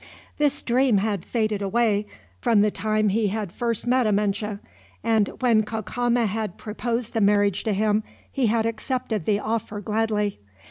This dream had faded away, from the time he had first met Amenche; and when Cacama had proposed the marriage to him, he had accepted the offer gladly.